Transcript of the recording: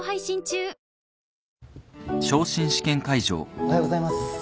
おはようございます。